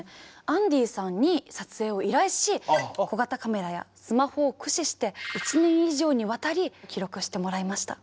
アンディさんに撮影を依頼し小型カメラやスマホを駆使して１年以上にわたり記録してもらいました。